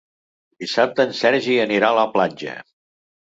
Dissabte en Sergi anirà a la platja.